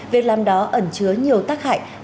việc làm đó ẩn chứa nhiều tác hại